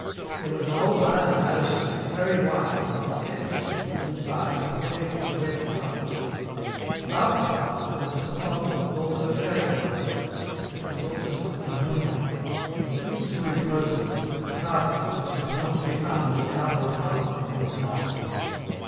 There was an old iron balustrade, very wide, and the steps, with wooden sides, were paved with red tile. About this house there was a sepulchral and also clerical odour, yet there was also something homelike though a little too imposing about it such as is not to be found in the cardboard houses they build nowadays.